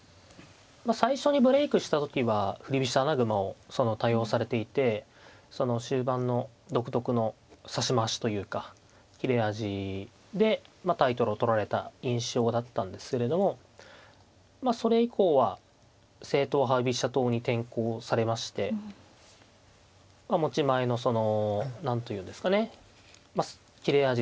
最初にブレークした時は振り飛車穴熊を多用されていてその終盤の独特の指し回しというか切れ味でタイトルを取られた印象だったんですけれどもそれ以降は正統派居飛車党に転向されまして持ち前の何というんですかね切れ味